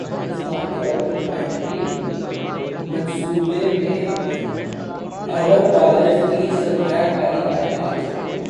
امارات کا پاکستان کی ئل ریفائنری منصوبے میں ارب ڈالر کی سرمایہ کاری کا اعلان